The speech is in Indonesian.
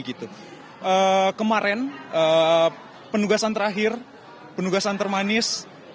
kemarin penugasan terakhir penugasan termanis